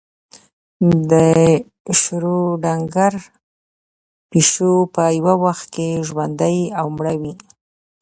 د شروډنګر پیشو په یو وخت کې ژوندۍ او مړه وي.